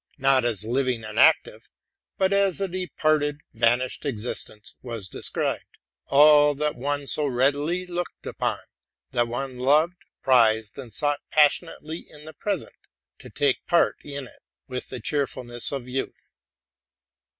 Not as living and 'active, but as a departed, vanished 'existence was described, all that one so readily looked upon, that one loved, prized, sought passion ately in the present to take part in it with the cheerfulness of youth.